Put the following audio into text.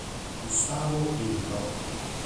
Gustavo Lillo